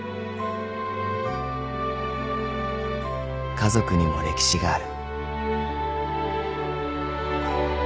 ［家族にも歴史がある］